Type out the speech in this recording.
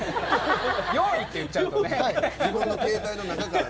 用意って言っちゃうとね。